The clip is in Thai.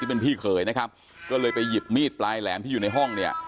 เป็นพี่เขยนะครับก็เลยไปหยิบมีดปลายแหลมที่อยู่ในห้องเนี่ย